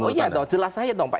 oh iya dong jelas aja dong pak